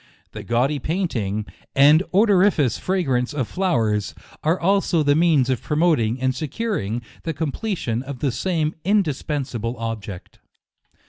The gaudy painting, and odoriferous fragrance of flowers, are also the means of promoting and securing the com pletion of the same indispensable object.